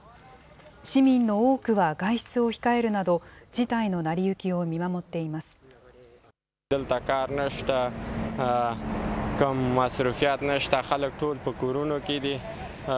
市民の多くは外出を控えるなど、事態の成り行きを見守っています。